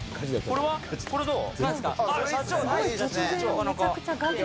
これどう？